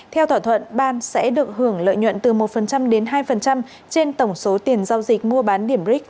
theo thỏa thuận ban sẽ được hưởng lợi nhuận từ một đến hai trên tổng số tiền giao dịch mua bán điểm ric